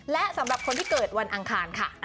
และสำหรับคนที่เกิดวันอังคารค่ะ